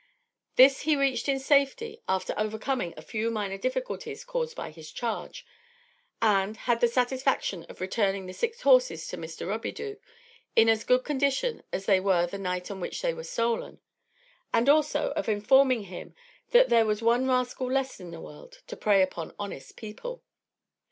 This he reached in safety, after overcoming a few minor difficulties caused by his charge; and, had the satisfaction of returning the six horses to Mr. Robidoux in as good condition as they were the night on which they were stolen; and, also, of informing him that there was one rascal less in the world to prey upon honest people.